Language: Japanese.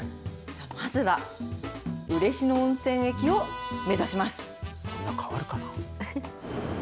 さあ、まずは、嬉野温泉駅を目指します。